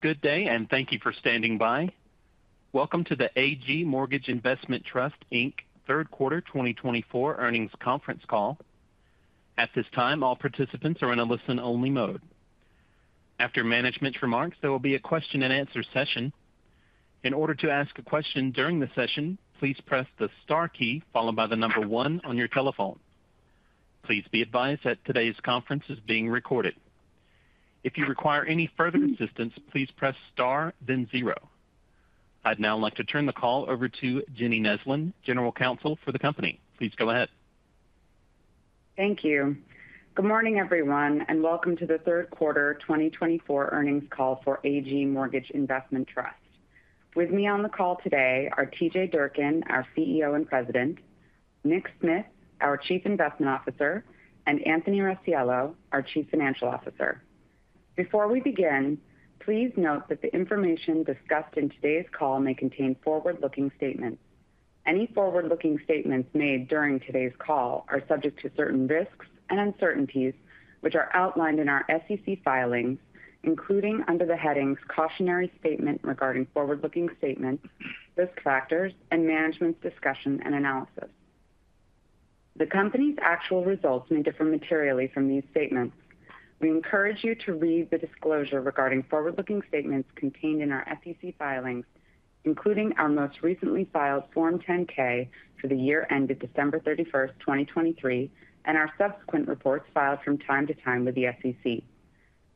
Good day, and thank you for standing by. Welcome to the AG Mortgage Investment Trust, Inc., third quarter 2024 earnings conference call. At this time, all participants are in a listen-only mode. After management's remarks, there will be a question-and-answer session. In order to ask a question during the session, please press the star key followed by the number one on your telephone. Please be advised that today's conference is being recorded. If you require any further assistance, please press star, then zero. I'd now like to turn the call over to Jenny Neslin, General Counsel for the company. Please go ahead. Thank you. Good morning, everyone, and welcome to the third quarter 2024 earnings call for AG Mortgage Investment Trust. With me on the call today are T.J. Durkin, our CEO and President; Nick Smith, our Chief Investment Officer; and Anthony Rossiello, our Chief Financial Officer. Before we begin, please note that the information discussed in today's call may contain forward-looking statements. Any forward-looking statements made during today's call are subject to certain risks and uncertainties, which are outlined in our SEC filings, including under the headings "Cautionary Statement Regarding Forward-Looking Statements," "Risk Factors," and "Management's Discussion and Analysis." The company's actual results may differ materially from these statements. We encourage you to read the disclosure regarding forward-looking statements contained in our SEC filings, including our most recently filed Form 10-K for the year ended December 31st, 2023, and our subsequent reports filed from time to time with the SEC.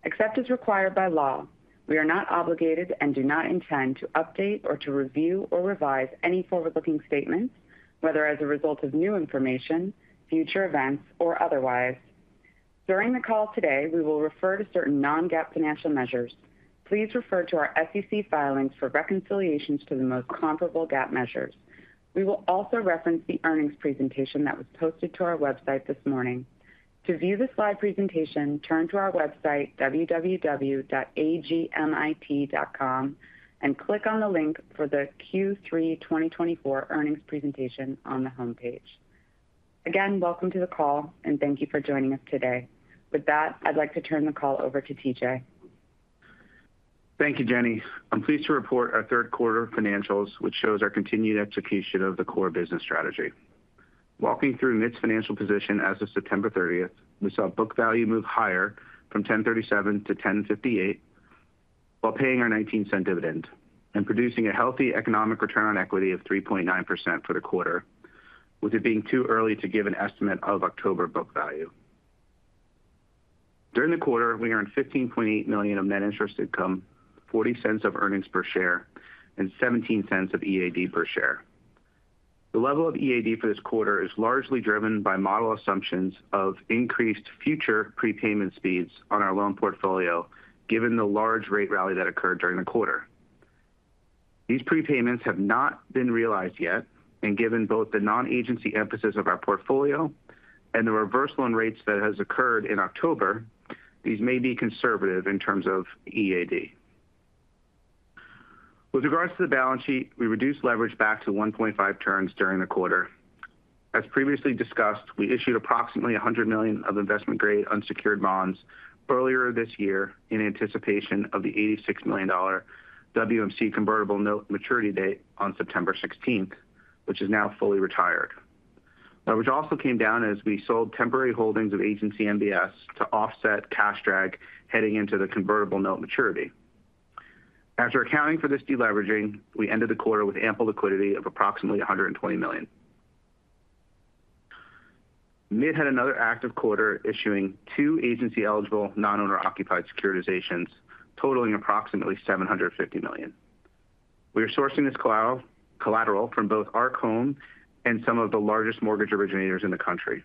Except as required by law, we are not obligated and do not intend to update or to review or revise any forward-looking statements, whether as a result of new information, future events, or otherwise. During the call today, we will refer to certain non-GAAP financial measures. Please refer to our SEC filings for reconciliations to the most comparable GAAP measures. We will also reference the earnings presentation that was posted to our website this morning. To view the slide presentation, turn to our website, www.agmit.com, and click on the link for the Q3 2024 earnings presentation on the homepage. Again, welcome to the call, and thank you for joining us today. With that, I'd like to turn the call over to T.J. Thank you, Jenny. I'm pleased to report our third quarter financials, which shows our continued execution of the core business strategy. Walking through MITT's financial position as of September 30th, we saw book value move higher from $10.37-$10.58 while paying our $0.19 dividend and producing a healthy economic return on equity of 3.9% for the quarter, with it being too early to give an estimate of October book value. During the quarter, we earned $15.8 million of net interest income, $0.40 of earnings per share, and $0.17 of EAD per share. The level of EAD for this quarter is largely driven by model assumptions of increased future prepayment speeds on our loan portfolio, given the large rate rally that occurred during the quarter. These prepayments have not been realized yet, and given both the non-agency emphasis of our portfolio and the rising loan rates that have occurred in October, these may be conservative in terms of EAD. With regards to the balance sheet, we reduced leverage back to 1.5 turns during the quarter. As previously discussed, we issued approximately $100 million of investment-grade unsecured bonds earlier this year in anticipation of the $86 million WMC convertible note maturity date on September 16th, which is now fully retired. Leverage also came down as we sold temporary holdings of agency MBS to offset cash drag heading into the convertible note maturity. After accounting for this deleveraging, we ended the quarter with ample liquidity of approximately $120 million. MITT had another active quarter issuing two agency-eligible non-owner-occupied securitizations, totaling approximately $750 million. We are sourcing this collateral from both Arc Home and some of the largest mortgage originators in the country.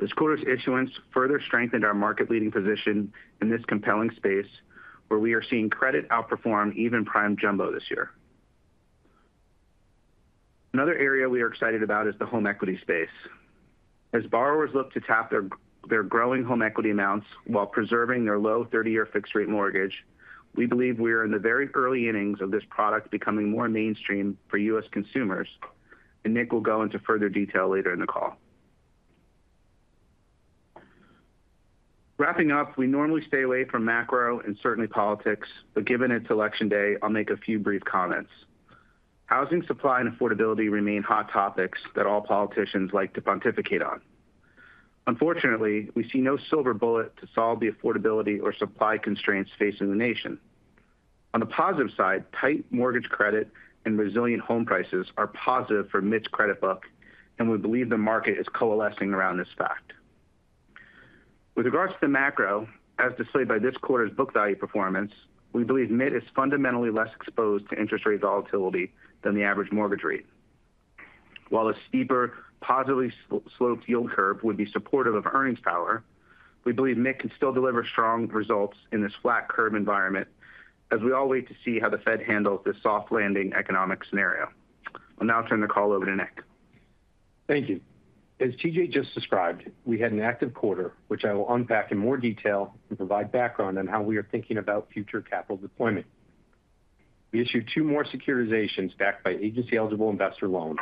This quarter's issuance further strengthened our market-leading position in this compelling space, where we are seeing credit outperform prime jumbo this year. Another area we are excited about is the home equity space. As borrowers look to tap their growing home equity amounts while preserving their low 30-year fixed-rate mortgage, we believe we are in the very early innings of this product becoming more mainstream for U.S. consumers, and Nick will go into further detail later in the call. Wrapping up, we normally stay away from macro and certainly politics, but given it's Election Day, I'll make a few brief comments. Housing supply and affordability remain hot topics that all politicians like to pontificate on. Unfortunately, we see no silver bullet to solve the affordability or supply constraints facing the nation. On the positive side, tight mortgage credit and resilient home prices are positive for MITT's credit book, and we believe the market is coalescing around this fact. With regards to the macro, as displayed by this quarter's book value performance, we believe MITT is fundamentally less exposed to interest rate volatility than the average mortgage REIT. While a steeper, positively sloped yield curve would be supportive of earnings power, we believe MITT can still deliver strong results in this flat curve environment as we all wait to see how the Fed handles this soft landing economic scenario. I'll now turn the call over to Nick. Thank you. As T.J. just described, we had an active quarter, which I will unpack in more detail and provide background on how we are thinking about future capital deployment. We issued two more securitizations backed by agency-eligible investor loans,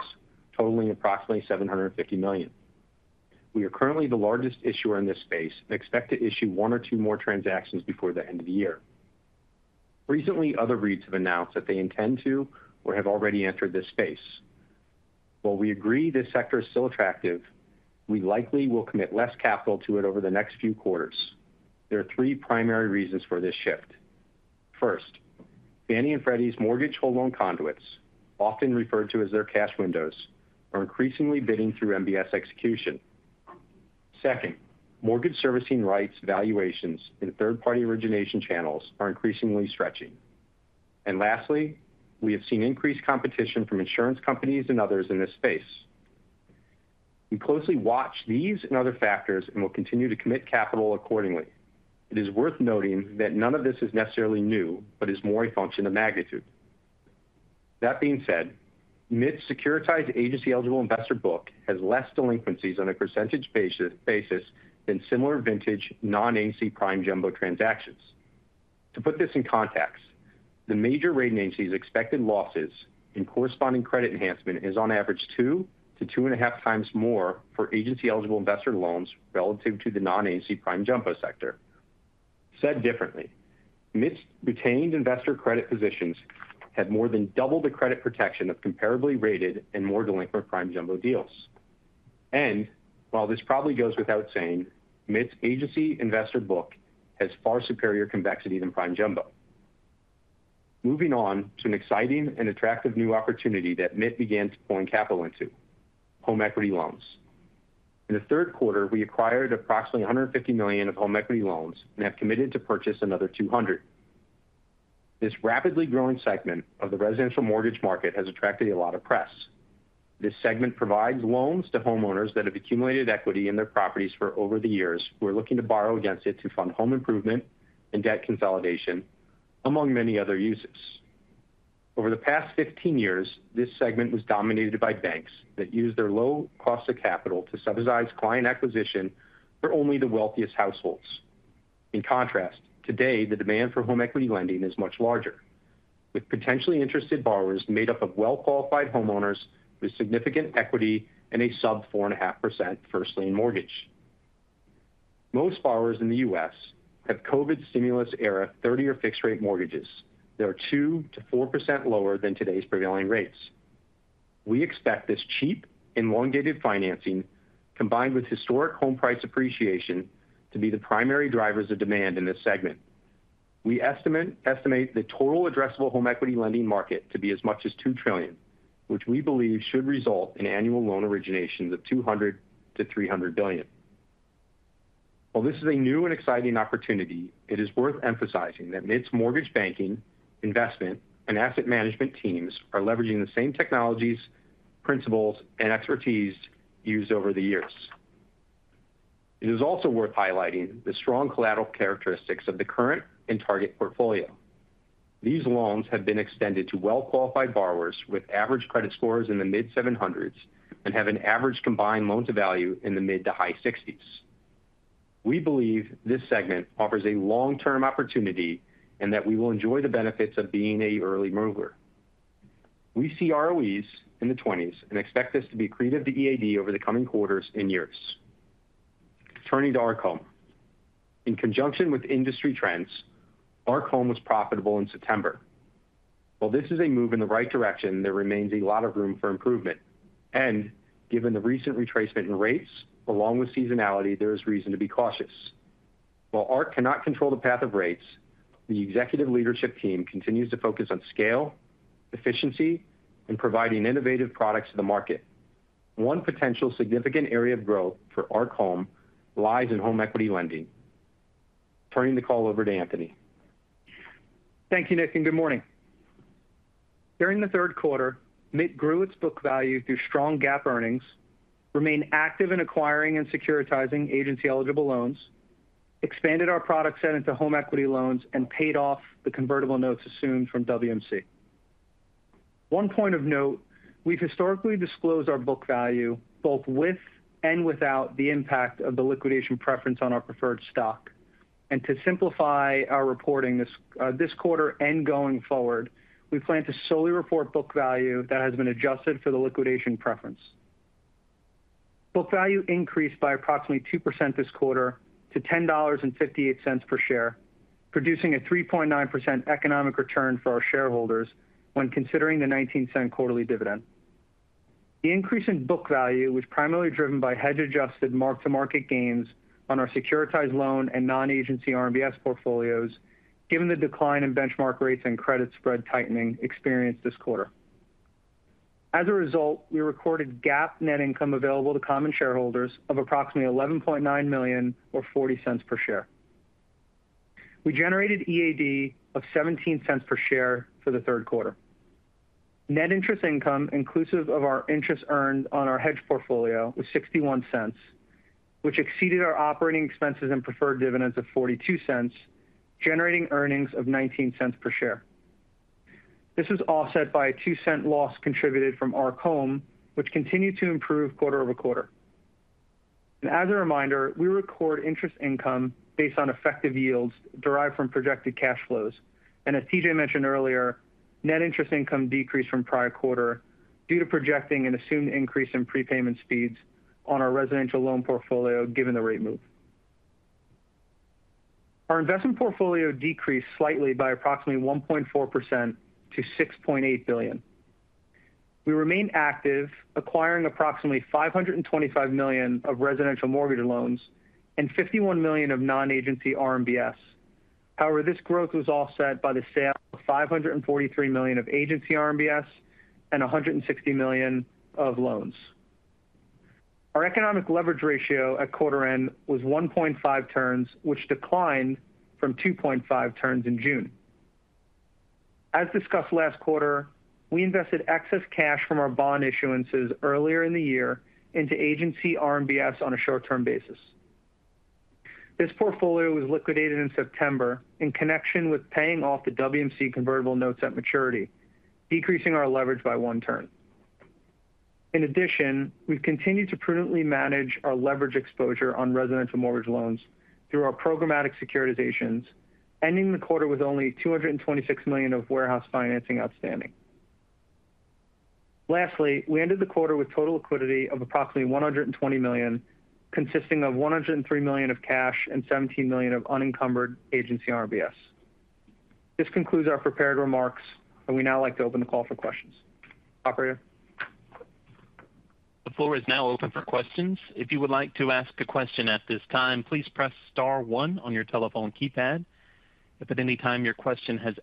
totaling approximately $750 million. We are currently the largest issuer in this space and expect to issue one or two more transactions before the end of the year. Recently, other REITs have announced that they intend to or have already entered this space. While we agree this sector is still attractive, we likely will commit less capital to it over the next few quarters. There are three primary reasons for this shift. First, Fannie and Freddie's mortgage whole-loan conduits, often referred to as their cash windows, are increasingly bidding through MBS execution. Second, mortgage servicing rights, valuations, and third-party origination channels are increasingly stretching. Lastly, we have seen increased competition from insurance companies and others in this space. We closely watch these and other factors and will continue to commit capital accordingly. It is worth noting that none of this is necessarily new, but is more a function of magnitude. That being said, MITT's securitized agency-eligible investor book has less delinquencies on a percentage basis than similar vintage prime jumbo transactions. To put this in context, the magnitude of agency's expected losses and corresponding credit enhancement is on average 2x-2.5x more for agency-eligible investor loans relative to the prime jumbo sector. Said differently, MITT's retained investor credit positions have more than doubled the credit protection of comparably rated and more prime jumbo deals. While this probably goes without saying, MITT's agency investor book has far superior convexity than prime jumbo. Moving on to an exciting and attractive new opportunity that MITT began pouring capital into: home equity loans. In the third quarter, we acquired approximately $150 million of home equity loans and have committed to purchase another $200 million. This rapidly growing segment of the residential mortgage market has attracted a lot of press. This segment provides loans to homeowners that have accumulated equity in their properties over the years who are looking to borrow against it to fund home improvement and debt consolidation, among many other uses. Over the past 15 years, this segment was dominated by banks that used their low cost of capital to subsidize client acquisition for only the wealthiest households. In contrast, today, the demand for home equity lending is much larger, with potentially interested borrowers made up of well-qualified homeowners with significant equity and a sub 4.5% first-lien mortgage. Most borrowers in the U.S. have COVID stimulus-era 30-year fixed-rate mortgages. They are 2%-4% lower than today's prevailing rates. We expect this cheap, elongated financing, combined with historic home price appreciation, to be the primary drivers of demand in this segment. We estimate the total addressable home equity lending market to be as much as $2 trillion, which we believe should result in annual loan originations of $200 billion-$300 billion. While this is a new and exciting opportunity, it is worth emphasizing that MITT's mortgage banking, investment, and asset management teams are leveraging the same technologies, principles, and expertise used over the years. It is also worth highlighting the strong collateral characteristics of the current and target portfolio. These loans have been extended to well-qualified borrowers with average credit scores in the mid-700s and have an average combined loan-to-value in the mid- to high-60s. We believe this segment offers a long-term opportunity and that we will enjoy the benefits of being an early mover. We see ROEs in the 20s and expect this to be accretive to EAD over the coming quarters and years. Turning to Arc Home. In conjunction with industry trends, Arc Home was profitable in September. While this is a move in the right direction, there remains a lot of room for improvement. Given the recent retracement in rates, along with seasonality, there is reason to be cautious. While Arc cannot control the path of rates, the executive leadership team continues to focus on scale, efficiency, and providing innovative products to the market. One potential significant area of growth for Arc Home lies in home equity lending. Turning the call over to Anthony. Thank you, Nick, and good morning. During the third quarter, MITT grew its book value through strong GAAP earnings, remained active in acquiring and securitizing agency-eligible loans, expanded our product set into home equity loans, and paid off the convertible notes assumed from WMC. One point of note, we've historically disclosed our book value both with and without the impact of the liquidation preference on our preferred stock, and to simplify our reporting this quarter and going forward, we plan to solely report book value that has been adjusted for the liquidation preference. Book value increased by approximately 2% this quarter to $10.58 per share, producing a 3.9% economic return for our shareholders when considering the $0.19 quarterly dividend. The increase in book value was primarily driven by hedge-adjusted mark-to-market gains on our securitized loan and non-agency RMBS portfolios, given the decline in benchmark rates and credit spread tightening experienced this quarter. As a result, we recorded GAAP net income available to common shareholders of approximately $11.9 million, or $0.40 per share. We generated EAD of $0.17 per share for the third quarter. Net interest income, inclusive of our interest earned on our hedge portfolio, was $0.61, which exceeded our operating expenses and preferred dividends of $0.42, generating earnings of $0.19 per share. This was offset by a $0.02 loss contributed from Arc Home, which continued to improve quarter-over-quarter, and as a reminder, we record interest income based on effective yields derived from projected cash flows, and as T.J. mentioned earlier, net interest income decreased from prior quarter due to projecting an assumed increase in prepayment speeds on our residential loan portfolio, given the rate move. Our investment portfolio decreased slightly by approximately 1.4% to $6.8 billion. We remained active, acquiring approximately $525 million of residential mortgage loans and $51 million of non-agency RMBS. However, this growth was offset by the sale of $543 million of agency RMBS and $160 million of loans. Our economic leverage ratio at quarter end was 1.5 turns, which declined from 2.5 turns in June. As discussed last quarter, we invested excess cash from our bond issuances earlier in the year into agency RMBS on a short-term basis. This portfolio was liquidated in September in connection with paying off the WMC convertible notes at maturity, decreasing our leverage by one turn. In addition, we've continued to prudently manage our leverage exposure on residential mortgage loans through our programmatic securitizations, ending the quarter with only $226 million of warehouse financing outstanding. Lastly, we ended the quarter with total liquidity of approximately $120 million, consisting of $103 million of cash and $17 million of unencumbered agency RMBS. This concludes our prepared remarks, and we now like to open the call for questions. The floor is now open for questions. If you would like to ask a question at this time, please press star one on your telephone keypad. If at any time your question has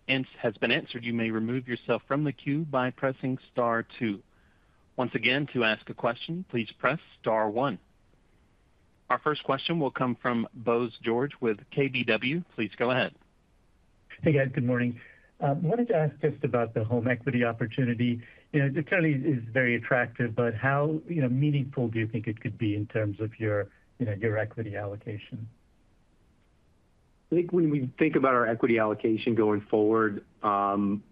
been answered, you may remove yourself from the queue by pressing star two. Once again, to ask a question, please press star one. Our first question will come from Bose George with KBW. Please go ahead. Hey, guys. Good morning. I wanted to ask just about the home equity opportunity. It certainly is very attractive, but how meaningful do you think it could be in terms of your equity allocation? I think when we think about our equity allocation going forward, given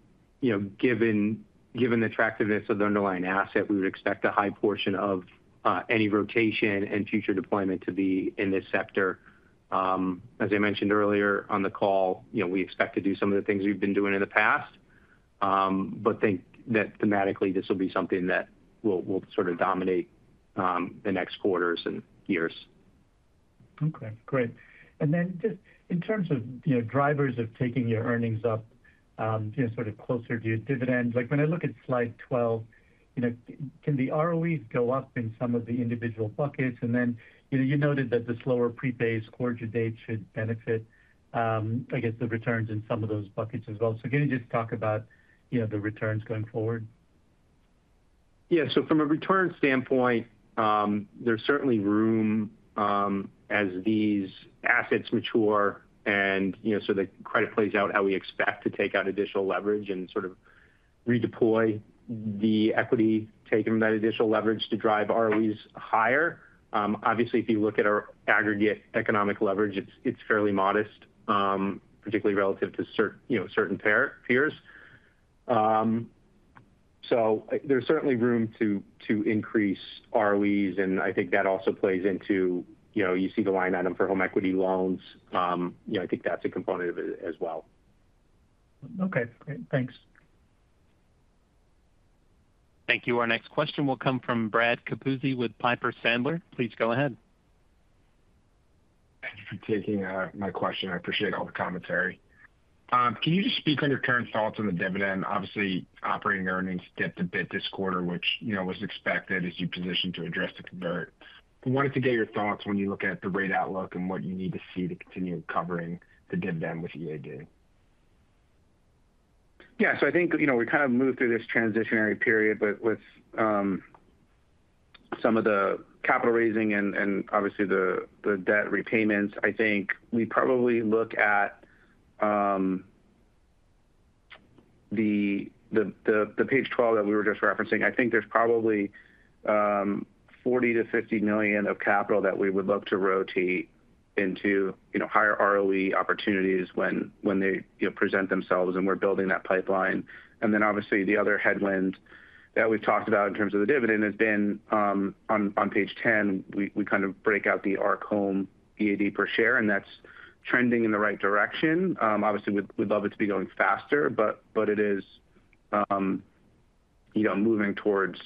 the attractiveness of the underlying asset, we would expect a high portion of any rotation and future deployment to be in this sector. As I mentioned earlier on the call, we expect to do some of the things we've been doing in the past, but think that thematically this will be something that will sort of dominate the next quarters and years. Okay. Great. And then just in terms of drivers of taking your earnings up sort of closer to your dividends, when I look at slide 12, can the ROEs go up in some of the individual buckets? And then you noted that the slower prepayment speeds should benefit, I guess, the returns in some of those buckets as well. So can you just talk about the returns going forward? Yeah. So from a return standpoint, there's certainly room as these assets mature and so the credit plays out how we expect to take out additional leverage and sort of redeploy the equity taken from that additional leverage to drive ROEs higher. Obviously, if you look at our aggregate economic leverage, it's fairly modest, particularly relative to certain peers. So there's certainly room to increase ROEs, and I think that also plays into you see the line item for home equity loans. I think that's a component of it as well. Okay. Great. Thanks. Thank you. Our next question will come from Brad Capuzzi with Piper Sandler. Please go ahead. Thank you for taking my question. I appreciate all the commentary. Can you just speak on your current thoughts on the dividend? Obviously, operating earnings dipped a bit this quarter, which was expected as you positioned to address the convert. I wanted to get your thoughts when you look at the rate outlook and what you need to see to continue covering the dividend with EAD. Yeah. So I think we kind of moved through this transitionary period, but with some of the capital raising and obviously the debt repayments, I think we probably look at the page 12 that we were just referencing. I think there's probably $40 million-$50 million of capital that we would look to rotate into higher ROE opportunities when they present themselves and we're building that pipeline. And then obviously, the other headwind that we've talked about in terms of the dividend has been, on page 10, we kind of break out the Arc Home EAD per share, and that's trending in the right direction. Obviously, we'd love it to be going faster, but it is moving towards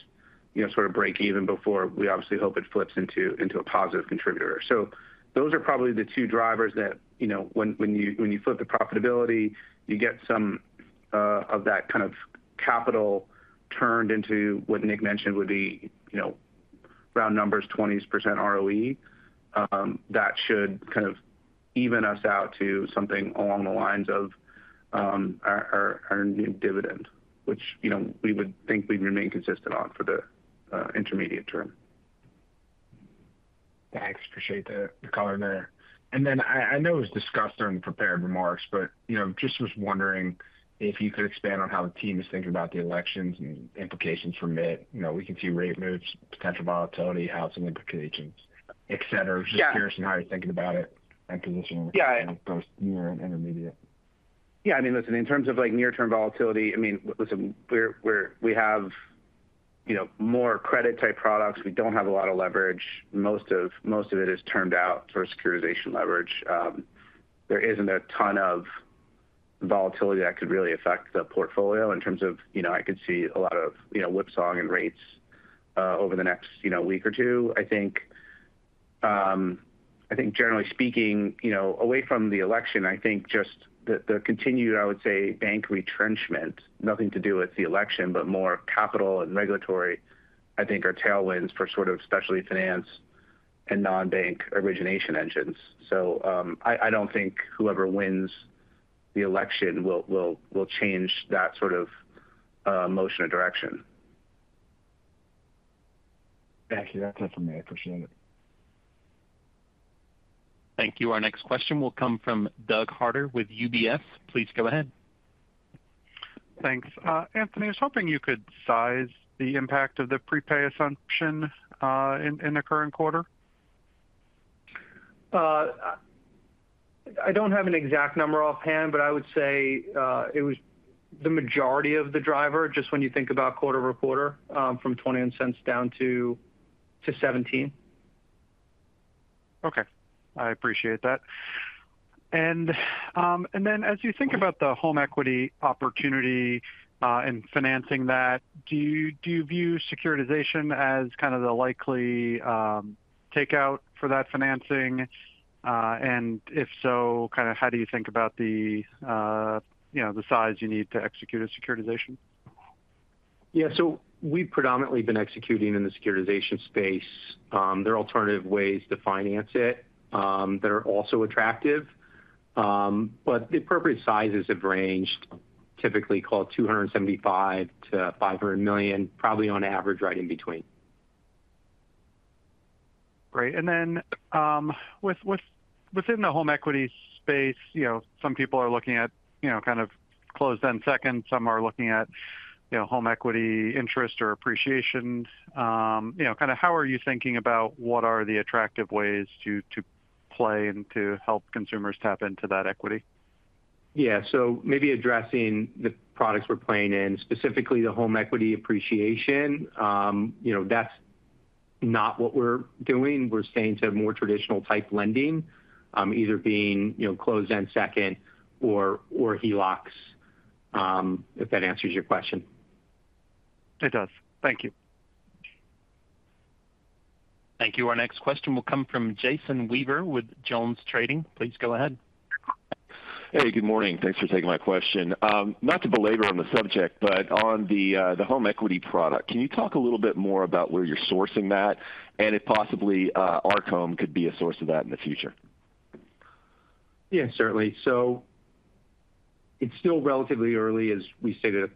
sort of break-even before we obviously hope it flips into a positive contributor. So those are probably the two drivers that when you flip the profitability, you get some of that kind of capital turned into what Nick mentioned would be round numbers, 20% ROE. That should kind of even us out to something along the lines of our new dividend, which we would think we'd remain consistent on for the intermediate term. Thanks. Appreciate the color there, and then I know it was discussed during the prepared remarks, but just was wondering if you could expand on how the team is thinking about the elections and implications for MITT. We can see rate moves, potential volatility, housing implications, etc. I was just curious on how you're thinking about it and positioning it both near and intermediate. Yeah. I mean, listen, in terms of near-term volatility, I mean, listen, we have more credit-type products. We don't have a lot of leverage. Most of it is turned out for securitization leverage. There isn't a ton of volatility that could really affect the portfolio in terms of. I could see a lot of whipsaw in rates over the next week or two. I think generally speaking, away from the election, I think just the continued, I would say, bank retrenchment, nothing to do with the election, but more capital and regulatory, I think are tailwinds for sort of specialty finance and non-bank origination engines. So I don't think whoever wins the election will change that sort of motion of direction. Thank you. That's it for me. I appreciate it. Thank you. Our next question will come from Doug Harter with UBS. Please go ahead. Thanks. Anthony, I was hoping you could size the impact of the prepay assumption in the current quarter. I don't have an exact number offhand, but I would say it was the majority of the driver just when you think about quarter-over-quarter from $0.21 down to $0.17. Okay. I appreciate that. And then as you think about the home equity opportunity and financing that, do you view securitization as kind of the likely takeout for that financing? And if so, kind of how do you think about the size you need to execute a securitization? Yeah, so we've predominantly been executing in the securitization space. There are alternative ways to finance it that are also attractive. But the appropriate sizes have ranged typically $275 million-$500 million, probably on average right in between. Great. And then within the home equity space, some people are looking at kind of closed-end seconds. Some are looking at home equity interest or appreciation. Kind of how are you thinking about what are the attractive ways to play and to help consumers tap into that equity? Yeah. So maybe addressing the products we're playing in, specifically the home equity appreciation. That's not what we're doing. We're sticking to more traditional type lending, either being closed-end second or HELOCs, if that answers your question. It does. Thank you. Thank you. Our next question will come from Jason Weaver with JonesTrading. Please go ahead. Hey, good morning. Thanks for taking my question. Not to belabor on the subject, but on the home equity product, can you talk a little bit more about where you're sourcing that? And if possibly, Arc Home could be a source of that in the future. Yeah, certainly. So it's still relatively early, as we stated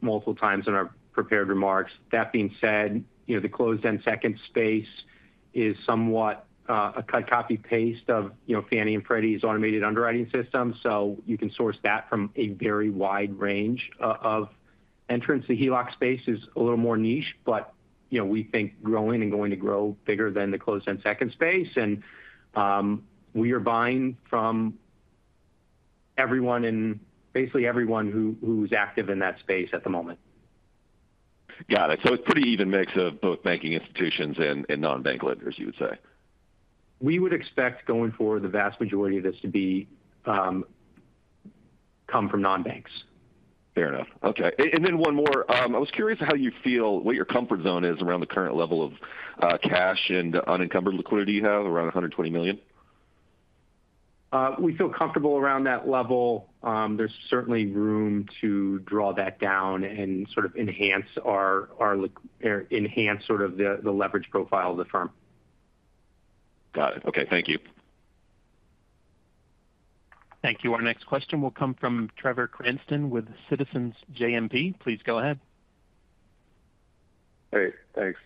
multiple times in our prepared remarks. That being said, the closed-end second space is somewhat a copy-paste of Fannie and Freddie's automated underwriting system. So you can source that from a very wide range of entrants. The HELOC space is a little more niche, but we think growing and going to grow bigger than the closed-end second space. And we are buying from basically everyone who's active in that space at the moment. Got it. So it's a pretty even mix of both banking institutions and non-bank lenders, you would say? We would expect going forward the vast majority of this to come from non-banks. Fair enough. Okay. And then one more. I was curious how you feel, what your comfort zone is around the current level of cash and unencumbered liquidity you have around $120 million. We feel comfortable around that level. There's certainly room to draw that down and sort of enhance sort of the leverage profile of the firm. Got it. Okay. Thank you. Thank you. Our next question will come from Trevor Cranston with Citizens JMP. Please go ahead. Hey. Thanks.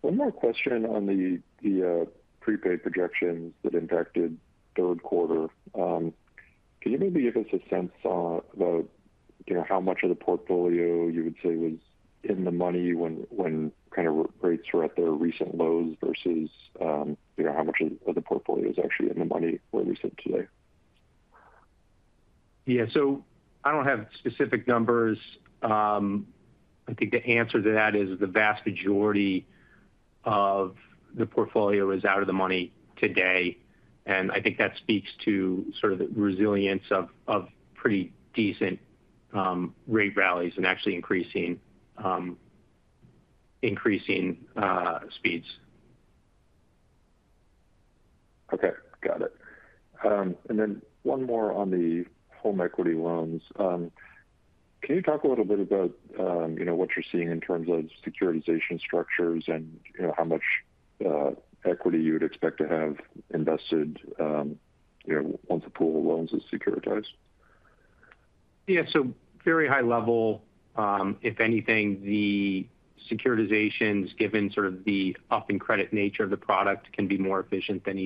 One more question on the prepay projections that impacted third quarter. Can you maybe give us a sense about how much of the portfolio you would say was in the money when kind of rates were at their recent lows versus how much of the portfolio is actually in the money where we sit today? Yeah, so I don't have specific numbers. I think the answer to that is the vast majority of the portfolio is out of the money today, and I think that speaks to sort of the resilience of pretty decent rate rallies and actually increasing speeds. Okay. Got it. And then one more on the home equity loans. Can you talk a little bit about what you're seeing in terms of securitization structures and how much equity you would expect to have invested once a pool of loans is securitized? Yeah, so very high level. If anything, the securitizations, given sort of the upfront credit nature of the product, can be more efficient than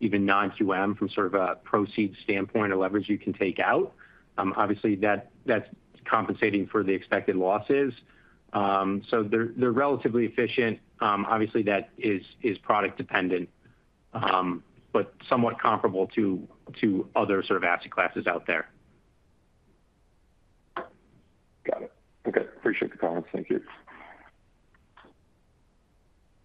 even non-QM from sort of a proceeds standpoint or leverage you can take out. Obviously, that's compensating for the expected losses, so they're relatively efficient. Obviously, that is product-dependent, but somewhat comparable to other sort of asset classes out there. Got it. Okay. Appreciate the comments. Thank you.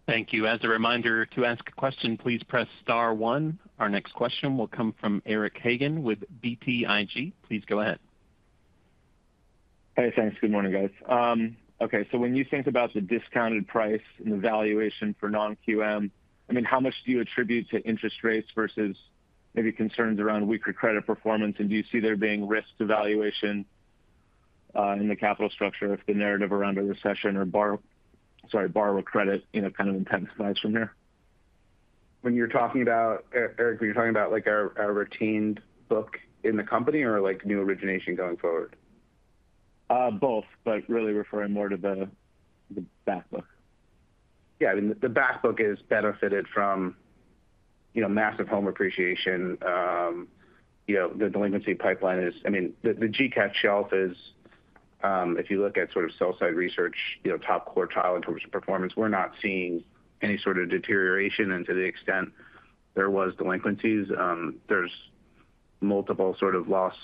Thank you. As a reminder, to ask a question, please press star one. Our next question will come from Eric Hagan with BTIG. Please go ahead. Hey, thanks. Good morning, guys. Okay. So when you think about the discounted price and the valuation for non-QM, I mean, how much do you attribute to interest rates versus maybe concerns around weaker credit performance? And do you see there being risk to valuation in the capital structure if the narrative around a recession or, sorry, borrower credit kind of intensifies from here? When you're talking about, Eric, our retained book in the company or new origination going forward? Both, but really referring more to the backbook. Yeah. I mean, the backbook is benefited from massive home appreciation. The delinquency pipeline is, I mean, the GCAT shelf is, if you look at sort of sell-side research, top quartile in terms of performance, we're not seeing any sort of deterioration to the extent there was delinquencies. There's multiple sort of loss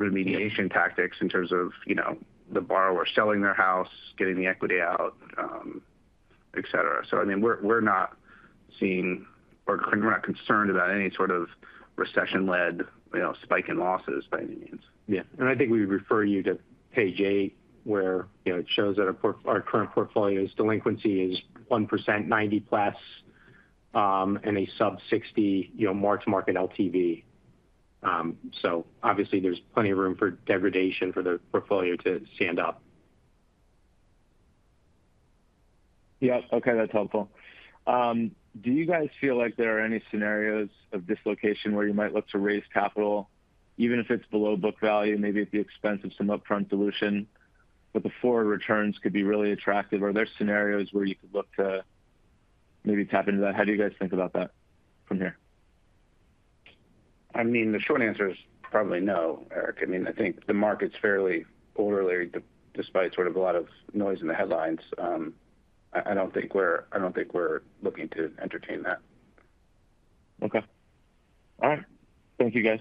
remediation tactics in terms of the borrower selling their house, getting the equity out, etc. So I mean, we're not seeing or we're not concerned about any sort of recession-led spike in losses by any means. Yeah. And I think we refer you to page eight where it shows that our current portfolio's delinquency is 1%, 90+, and a sub 60% mark-to-market LTV. So obviously, there's plenty of room for degradation for the portfolio to stand up. Yeah. Okay. That's helpful. Do you guys feel like there are any scenarios of dislocation where you might look to raise capital, even if it's below book value, maybe at the expense of some upfront dilution, but the forward returns could be really attractive? Are there scenarios where you could look to maybe tap into that? How do you guys think about that from here? I mean, the short answer is probably no, Eric. I mean, I think the market's fairly orderly despite sort of a lot of noise in the headlines. I don't think we're looking to entertain that. Okay. All right. Thank you, guys.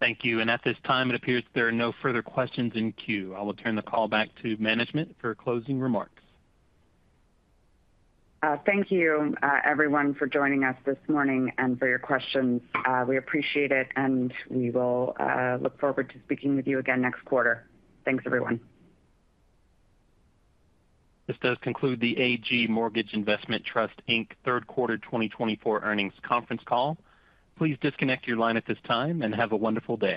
Thank you. And at this time, it appears there are no further questions in queue. I will turn the call back to management for closing remarks. Thank you, everyone, for joining us this morning and for your questions. We appreciate it, and we will look forward to speaking with you again next quarter. Thanks, everyone. This does conclude the AG Mortgage Investment Trust, Inc. third quarter 2024 earnings conference call. Please disconnect your line at this time and have a wonderful day.